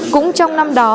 cũng trong năm đó